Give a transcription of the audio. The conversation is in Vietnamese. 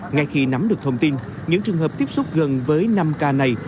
ngay khi nắm được thông tin những trường hợp tiếp xúc gần với năm ca này